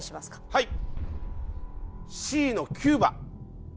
はい。